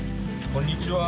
こんにちは。